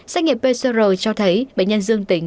xét nghiệm pcr cho thấy bệnh nhân dương tính